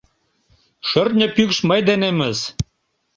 Шӧртньӧ пӱкш мый денемыс!